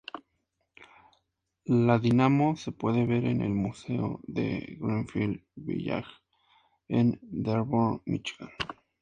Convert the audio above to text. La dinamo se puede ver en el Museo de Greenfield Village, en Dearborn, Míchigan.